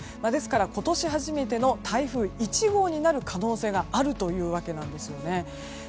ですから今年初めての台風１号になる可能性があるというわけなんですね。